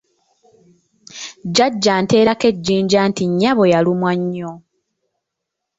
Jjajja anteerako ejjinja nti nnyabo yalumwa nnyo!